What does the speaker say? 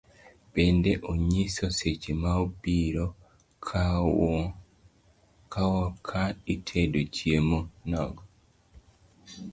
Bende onyiso seche maibiro kawo ka itedo chiemo nogo